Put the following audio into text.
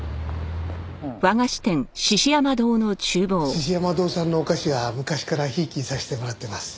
獅子山堂さんのお菓子は昔からひいきにさせてもらってます。